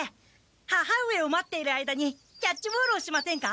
母上を待っている間にキャッチボールをしませんか？